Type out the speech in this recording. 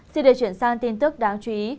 xin để chuyển sang tin tức đáng chú ý